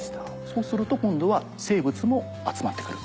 そうすると今度は生物も集まって来る？